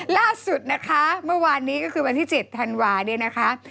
ล่าสุดนะคะเมื่อวานนี้ก็คือวันที่๗ธันวาเนี่ยนะคะ